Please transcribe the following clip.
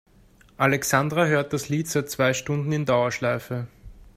Alexandra hört das Lied seit zwei Stunden in Dauerschleife.